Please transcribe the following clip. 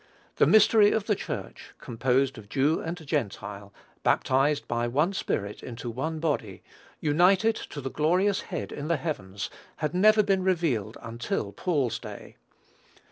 The mystery of the Church, composed of Jew and Gentile, baptized by one Spirit into one body, united to the glorious Head in the heavens, had never been revealed until Paul's day.